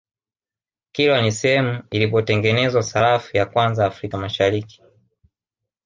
kilwa ni sehemu ilipotengenezwa sarafu ya kwanza africa mashariki